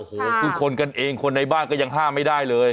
โอ้โหคือคนกันเองคนในบ้านก็ยังห้ามไม่ได้เลย